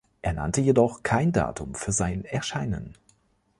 Er nannte jedoch kein Datum für sein Erscheinen.